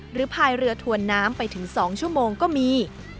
พายเรือถวนน้ำไปถึง๒ชั่วโมงก็มี